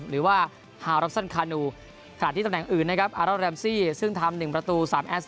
หรือว่าค่ะที่ตำแหน่งอื่นนะครับซึ่งทำหนึ่งประตูสาม